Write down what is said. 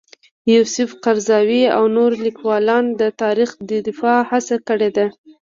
یوسف قرضاوي او نور لیکوالان د تاریخ د دفاع هڅه کړې ده.